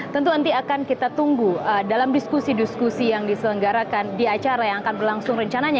tentu nanti akan kita tunggu dalam diskusi diskusi yang diselenggarakan di acara yang akan berlangsung rencananya